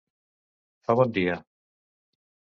Fa bon dia.